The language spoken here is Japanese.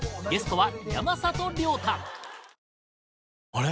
あれ？